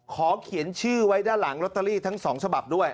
ขอเขียนชื่อไว้ด้านหลังลอตเตอรี่ทั้ง๒ฉบับด้วย